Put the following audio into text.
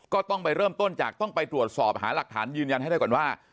ก็ต้องไปเริ่มต้นจากต้องไปตรวจสอบหาหลักฐานยืนยันให้ได้ก่อนว่า